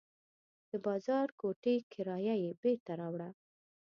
د بازار د کوټې کرایه یې بېرته راوړه.